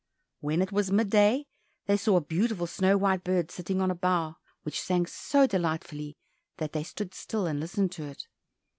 When it was mid day, they saw a beautiful snow white bird sitting on a bough, which sang so delightfully that they stood still and listened to it.